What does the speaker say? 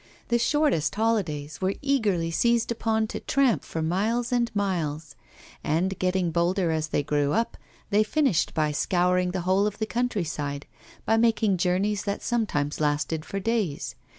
The shortest holidays were eagerly seized upon to tramp for miles and miles; and, getting bolder as they grew up, they finished by scouring the whole of the country side, by making journeys that sometimes lasted for days.